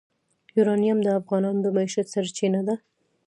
یورانیم د افغانانو د معیشت سرچینه ده.